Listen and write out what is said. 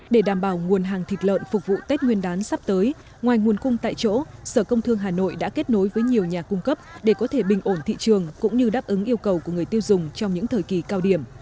để đảm bảo nguồn hàng thịt lợn phục vụ tết nguyên đán sắp tới ngoài nguồn cung tại chỗ sở công thương hà nội đã kết nối với nhiều nhà cung cấp để có thể bình ổn thị trường cũng như đáp ứng yêu cầu của người tiêu dùng trong những thời kỳ cao điểm